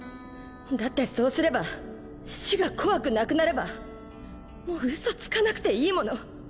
だってそうすれば死が怖くなくなればもう嘘つかなくていいもの。